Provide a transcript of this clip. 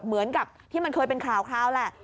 เหมือนกับที่มันเคยเป็นข่าวแหละ